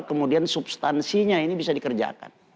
kemudian substansinya ini bisa dikerjakan